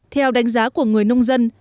theo đánh giá của người nông dân